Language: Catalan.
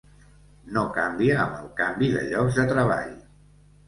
No canvia amb el canvi de llocs de treball.